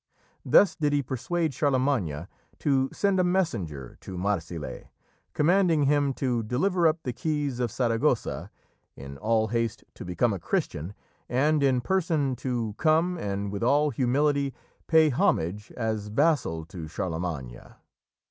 Thus did he persuade Charlemagne to send a messenger to Marsile, commanding him to deliver up the keys of Saragossa, in all haste to become a Christian, and in person to come and, with all humility, pay homage as vassal to Charlemagne.